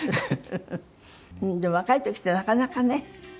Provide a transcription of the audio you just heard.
でも若い時ってなかなかね。